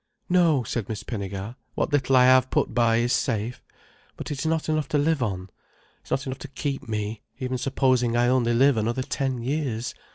"No," said Miss Pinnegar. "What little I have put by is safe. But it's not enough to live on. It's not enough to keep me, even supposing I only live another ten years.